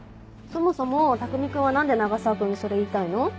そもそもたくみ君は何で永沢君にそれ言いたいの？